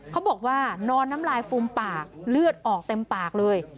เขาบอกว่านอนน้ำลายฟูมปากเลือดออกเต็มปากเลย